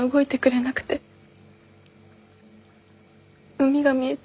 海が見えて。